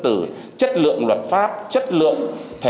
từ chất lượng luật pháp chất lượng